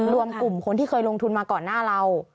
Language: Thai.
รวมกลุ่มคนที่เคยลงทุนมาก่อนหน้าเรา